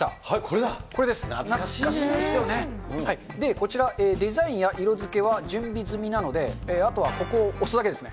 こちら、デザインや色付けは準備済みなので、あとはここを押すだけですね。